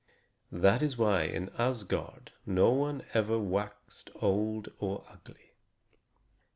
That is why in Asgard no one ever waxed old or ugly.